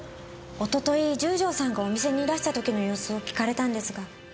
おととい十条さんがお店にいらした時の様子を聞かれたんですが。